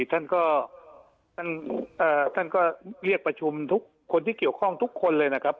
ท่านก็ท่านก็เรียกประชุมทุกคนที่เกี่ยวข้องทุกคนเลยนะครับ